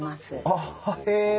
あっへえ！